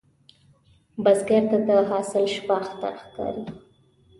بزګر ته د حاصل شپه اختر ښکاري